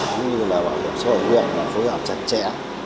cũng như bảo hiểm xã hội huyện phối hợp trạng trẻ